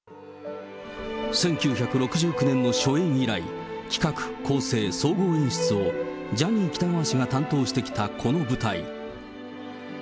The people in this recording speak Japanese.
１９６９年の初演以来、企画、構成、総合演出をジャニー喜多川氏が担当してきた、この舞台。